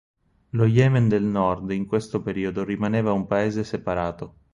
Lo Yemen del Nord in questo periodo rimaneva un paese separato.